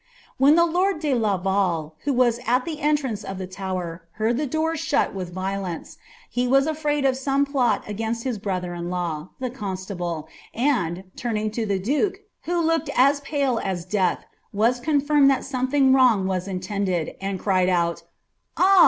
When the lord de Xjimi, who was at ihe entrance of iJie tower, IkwJ the door shut with violence, he was afraid of some plot asainH hk to ther in law, the constable ; and, turning to the duke, who Indtad M pale a> death, was confirmed that something wrong waa tnteiided. ni cried QuL ''Ah